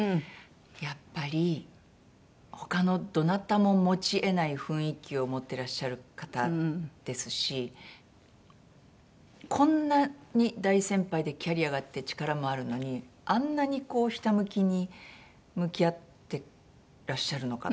やっぱり他のどなたも持ち得ない雰囲気を持ってらっしゃる方ですしこんなに大先輩でキャリアがあって力もあるのにあんなにひたむきに向き合ってらっしゃるのかって。